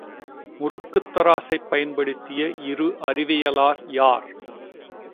முறுக்குத் தராசைப் பயன்படுத்திய இரு அறிவியலார் யார்?